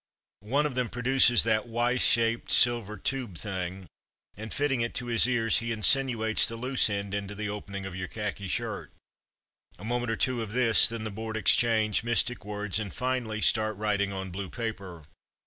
One of them produces that Y shaped silver tube thing, and fitting it to his ears he insinuates the loose end into the opening of your khaki shirt. A moment or two of this, then the Board exchange mystic words, and finally start writing on blue paper.